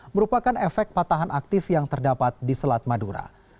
merupakan efek patahan aktif yang terdapat di selat madura